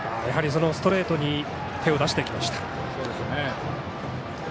やはりストレートに手を出してきました。